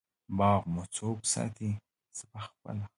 باغ مو څوک ساتی؟ زه پخپله